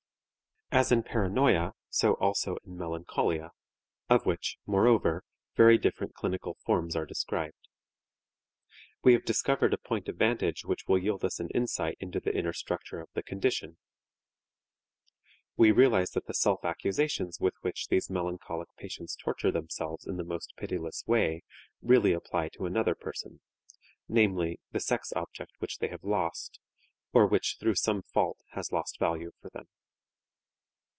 As in paranoia, so also in melancholia, of which, moreover, very different clinical forms are described. We have discovered a point of vantage which will yield us an insight into the inner structure of the condition. We realize that the self accusations with which these melancholic patients torture themselves in the most pitiless way, really apply to another person, namely, the sex object which they have lost, or which through some fault has lost value for them.